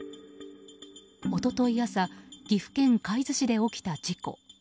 一昨日朝、岐阜県海津市で起きた事故。